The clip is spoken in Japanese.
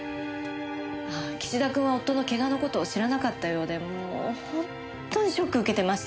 ああ岸田君は夫の怪我の事を知らなかったようでもう本当にショックを受けてましてね。